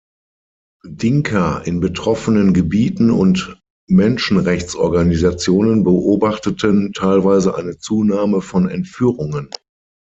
Dinka in betroffenen Gebieten und Menschenrechtsorganisationen beobachteten teilweise eine Zunahme von Entführungen.